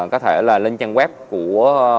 có thể là lên trang web của